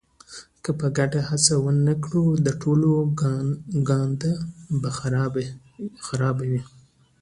که په ګډه هڅه ونه کړو د ټولو ګانده به خرابه وي.